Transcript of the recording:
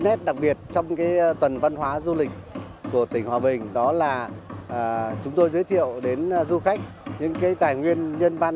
nét đặc biệt trong tuần văn hóa du lịch của tỉnh hòa bình đó là chúng tôi giới thiệu đến du khách những tài nguyên nhân văn